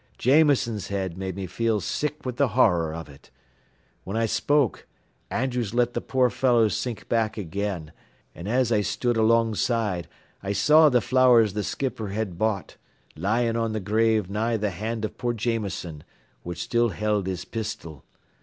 Jameson's head made me feel sick wid th' horror av it. Whin I spoke, Andrews let th' poor fellow sink back again, an' as I stood alongside I saw th' flowers th' skipper had bought lyin' on th' grave nigh th' hand av poor Jameson, which still held his pistil.